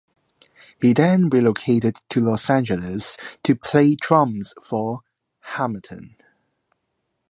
He then relocated to Los Angeles to play drums for "Hamilton".